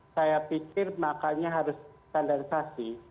saya pikir makanya harus standarisasi